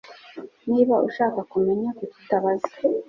Niba ushaka kumenya, kuki utabaza ?